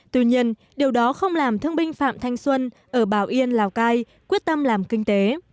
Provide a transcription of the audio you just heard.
tuy nhiên điều đó không làm thương binh phạm thanh xuân ở bảo yên lào cai quyết tâm làm kinh tế